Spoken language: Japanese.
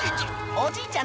おじいちゃん